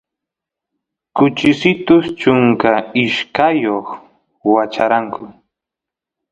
kuchisitus chunka ishkayoq wacharanku